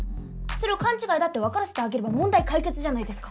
それを勘違いだってわからせてあげれば問題解決じゃないですか。